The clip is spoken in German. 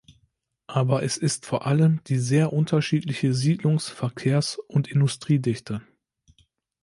Aber es ist vor allem die sehr unterschiedliche Siedlungs-, Verkehrs- und Industriedichte.